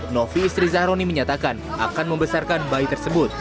novi istri zahroni menyatakan akan membesarkan bayi tersebut